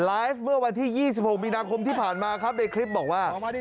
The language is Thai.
เมื่อวันที่๒๖มีนาคมที่ผ่านมาครับในคลิปบอกว่า